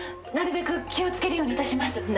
なるべく気を付けるようにいたします。